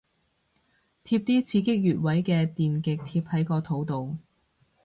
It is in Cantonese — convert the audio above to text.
貼啲刺激穴位嘅電極貼喺個肚度